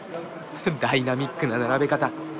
ダイナミックな並べ方。